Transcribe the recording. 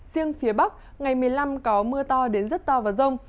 riêng phía bắc ngày một mươi năm có mưa to đến rất to và rông